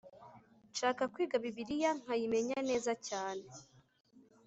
Nshaka kwiga bibiliya nkayimenya neza cyane